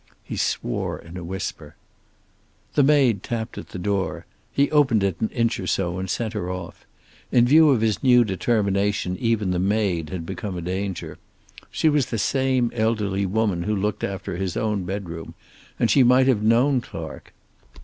He swore in a whisper. The maid tapped at the door. He opened it an inch or so and sent her off. In view of his new determination even the maid had become a danger. She was the same elderly woman who looked after his own bedroom, and she might have known Clark.